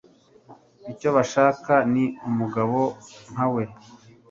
Icyo bashakaga ni umugabo nka we.